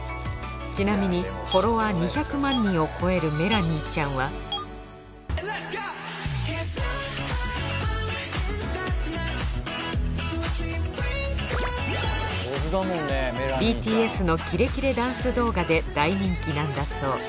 ちなみにフォロワー２００万人を超えるメラニーちゃんはＢＴＳのキレキレダンス動画で大人気なんだそう